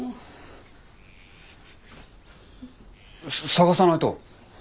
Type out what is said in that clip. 捜さないと。